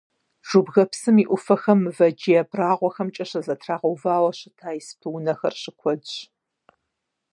Джубга псым и Ӏуфэхэм мывэ джей абрагъуэхэмкӀэ щызэтрагъэувауэ щыта испы унэхэр щыкуэдщ.